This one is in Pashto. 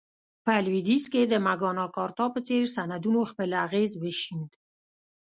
په لوېدیځ کې د مګناکارتا په څېر سندونو خپل اغېز وښند.